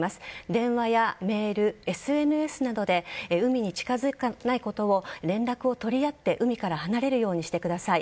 電話やメール、ＳＮＳなどで海に近づかないことを連絡を取り合って海から離れるようにしてください。